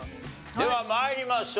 では参りましょう。